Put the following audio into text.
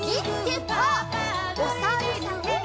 おさるさん。